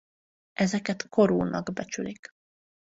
Ezeket korúnak becsülik.